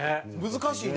難しいね。